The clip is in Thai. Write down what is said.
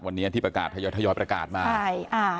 วันนี้ที่ประกาศถยอยประกาศมา